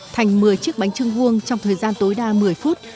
thành một mươi chiếc bánh trưng vuông trong thời gian tối đa một mươi phút